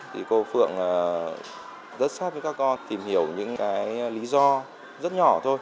thì cô phượng rất sát với các con tìm hiểu những cái lý do rất nhỏ thôi